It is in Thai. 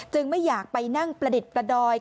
ไม่อยากไปนั่งประดิษฐ์ประดอย